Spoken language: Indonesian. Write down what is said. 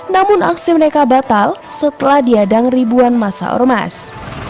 namun aksi mereka batal setelah diadang ribuan masa ormas